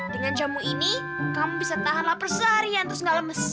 dengan jamu ini kamu bisa tahan lapar seharian terus ga lemes